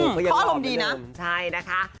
เขายังหวานเหมือนเดิมใช่นะคะขอบคุณดีนะ